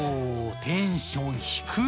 テンション低っ！